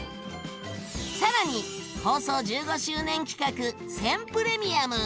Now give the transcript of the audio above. さらに放送１５周年企画「選プレミアム」！